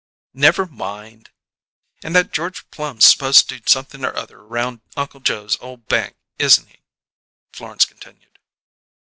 "Never mind!" "And that George Plum's supposed to do something or other around Uncle Joe's ole bank, isn't he?" Florence continued.